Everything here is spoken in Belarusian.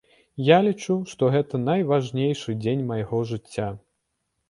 Я лічу, што гэта найважнейшы дзень майго жыцця.